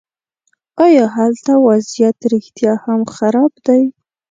ایا هلته وضعیت رښتیا هم خراب دی.